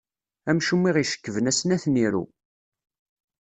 Amcum i ɣ-icekben ass-n ad ten-iru.